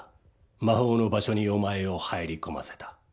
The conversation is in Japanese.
魔法の場所にお前を入り込ませた。